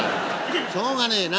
「しょうがねえな！